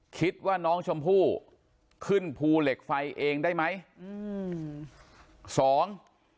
คิดว่าน้องชมพู่ขึ้นภูเหล็กไฟเองได้ไหมอืมสอง